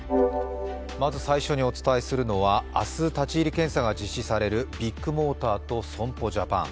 まず最初にお伝えするのは明日、立ち入り検査が実施されるビッグモーターと損保ジャパン。